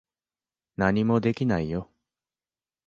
何もできないよ。